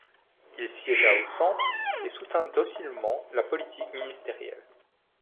Il siégea au centre et soutint docilement la politique ministérielle.